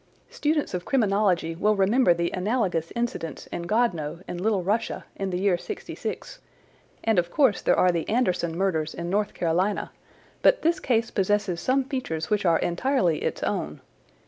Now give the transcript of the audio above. Students of criminology will remember the analogous incidents in Godno, in Little Russia, in the year '66, and of course there are the Anderson murders in North Carolina, but this case possesses some features which are entirely its own.